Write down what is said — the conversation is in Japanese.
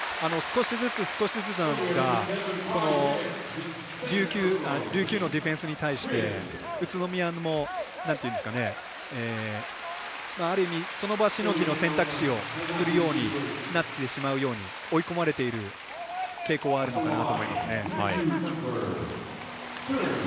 少しずつなんですがこの琉球のディフェンスに対して宇都宮も、ある意味その場しのぎの選択肢をするようになってしまうように追い込まれている傾向があるのかなと思いますね。